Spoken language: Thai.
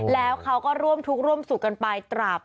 แล้วเขาก็ร่วมทุกข์ร่วมสุขกันไปตราบ